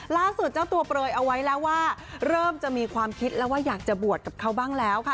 เจ้าตัวเปลยเอาไว้แล้วว่าเริ่มจะมีความคิดแล้วว่าอยากจะบวชกับเขาบ้างแล้วค่ะ